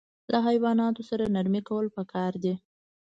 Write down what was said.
له حیواناتو سره نرمي کول پکار دي.